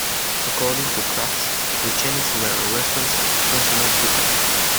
According to Kraft, the changes were a response to consumer feedback.